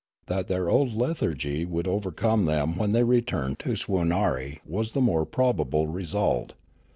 That their old lethargy would overcome them when they returned to Swoonarie was the more probable result.